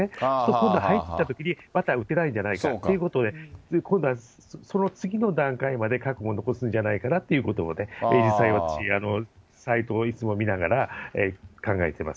今度は入ったときにまた打てないんじゃないかということで、今度はその次の段階まで、禍根を残すんじゃないかなということを、実際私、サイトをいつも見ながら考えています。